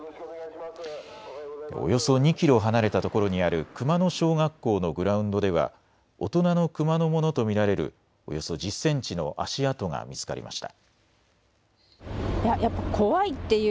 およそ２キロ離れたところにある熊野小学校のグラウンドでは大人のクマのものと見られるおよそ１０センチの足跡が見つかりました。